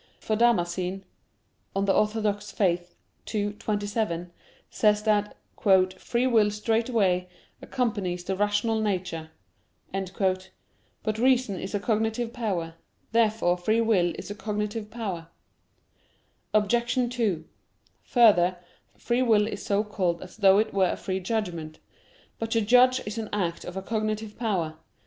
For Damascene (De Fide Orth. ii, 27) says that "free will straightway accompanies the rational nature." But reason is a cognitive power. Therefore free will is a cognitive power. Obj. 2: Further, free will is so called as though it were a free judgment. But to judge is an act of a cognitive power.